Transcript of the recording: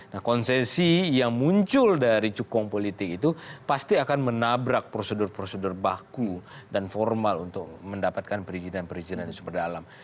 nah konsesi yang muncul dari cukong politik itu pasti akan menabrak prosedur prosedur baku dan formal untuk mendapatkan perizinan perizinan sumber dalam